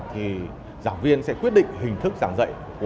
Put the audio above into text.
thì giảng viên sẽ quyết định hình thức giảng dạy